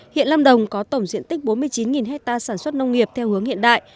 hiện lâm đồng có tổng diện tích bốn mươi chín hectare sản xuất nông nghiệp theo hướng hiện đại